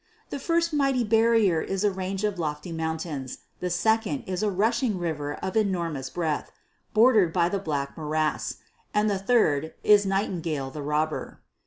The first mighty barrier is a range of lofty mountains; the second is a rushing river of enormous breadth, bordered by the Black Morass; and the third is Nightingale the Robber.